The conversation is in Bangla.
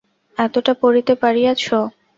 এতটা পড়িতে পারিয়াছ?